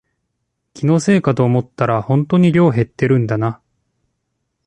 気のせいかと思ったらほんとに量減ってるんだな